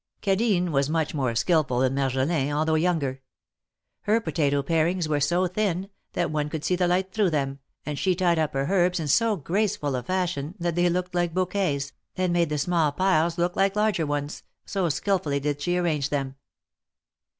Cadine was much more skilful than Marjolin, although younger. Her potato parings were so thin, that one could see the light through them, and she tied up her herbs in so graceful a fashion, that they looked like bouquets, and made the small piles look like large ones, so skilfully did she arrange them.